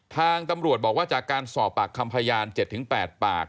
ทางตำรวจบอกว่าจากการสอบปากคำพยาน๗๘ปาก